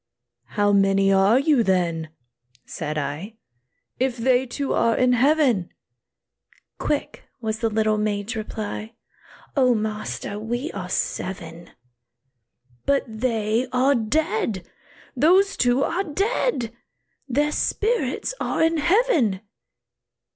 "How many are you, then," said I, "If they two are in heaven?" Quick was the little maid's reply, "O master! we are seven." "But they are dead; those two are dead! Their spirits are in heaven!"